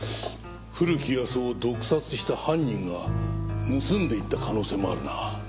古木保男を毒殺した犯人が盗んでいった可能性もあるな。